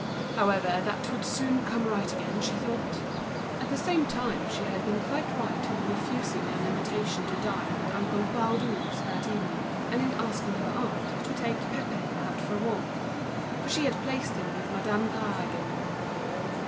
But that would soon come right again, she thought. At the same time, she had been quite right in refusing the invitation to dine at uncle Baudu's that evening, and in asking her aunt to take Pépé out for a walk, for she had placed him with Madame Gras again.